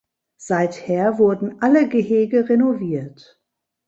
Seither wurden alle Gehege renoviert.